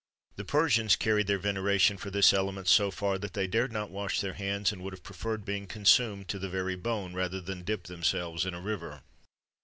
The Persians carried their veneration for this element so far, that they dared not wash their hands, and would have preferred being consumed to the very bone rather than dip themselves in a river.